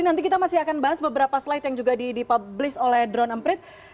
nanti kita masih akan bahas beberapa slide yang juga dipublish oleh drone emprit